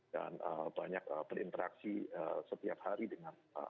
dan banyak berinteraksi setiap hari dengan digital